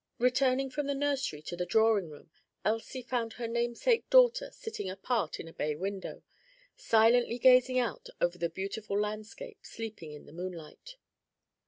Returning from the nursery to the drawing room, Elsie found her namesake daughter sitting apart in a bay window, silently gazing out over the beautiful landscape sleeping in the moonlight.